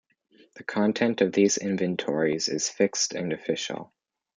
The content of these inventories is fixed and official.